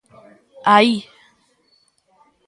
Aí.